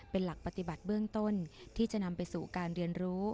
เป็นหลักปฏิบัติเบื้องต้นที่จะนำไปสู่การเรียนรู้